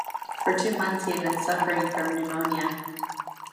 For two months he had been suffering from pneumonia.